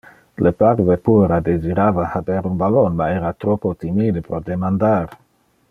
Le parve puera desirava haber un ballon, ma era troppo timide pro demandar.